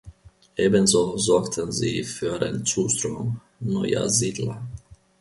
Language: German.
Ebenso sorgten sie für den Zustrom neuer Siedler.